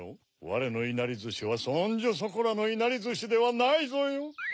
われのいなりずしはそんじょそこらのいなりずしではないぞよ。